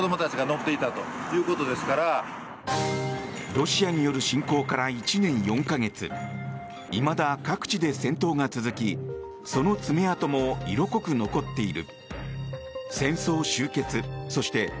ロシアによる侵攻から１年４か月いまだ各地で戦闘が続きその爪痕も色濃く残っている。